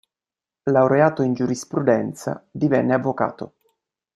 Laureato in Giurisprudenza, divenne avvocato.